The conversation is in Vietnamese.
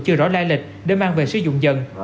chưa rõ lai lịch để mang về sử dụng dần